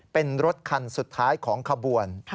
เป็นรถคันสุดท้ายของขบวน